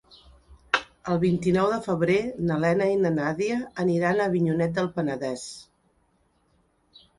El vint-i-nou de febrer na Lena i na Nàdia aniran a Avinyonet del Penedès.